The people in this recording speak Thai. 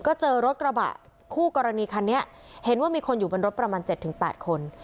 ก็เจอรถกระบะคู่กรณีคันนี้เห็นว่ามีคนอยู่บนรถประมาณ๗๘คน